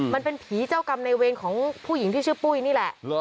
มันเป็นผีเจ้ากรรมในเวรของผู้หญิงที่ชื่อปุ้ยนี่แหละ